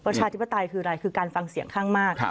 ประชาธิปไตยคืออะไรคือการฟังเสียงข้างมาก